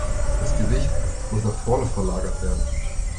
Das Gewicht muss nach vorn verlagert werden.